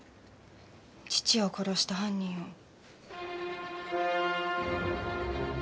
父を殺した犯人を。